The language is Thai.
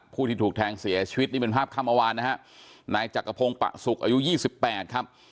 ผู้ที่ถูกแทงเสียชีวิตนี่เป็นภาพข้ามวาลนะครับนายจักรพงศ์ปะสุกอายุ๒๘ครับ